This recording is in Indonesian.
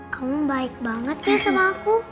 kamu baik banget ya sama aku